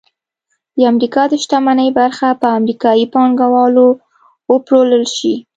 د امریکا د شتمنۍ برخه په امریکايي پانګوالو وپلورل شي